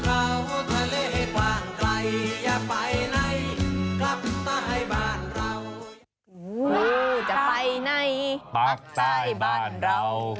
โอ้จ๊ะปายในปากใต้บ้านเรา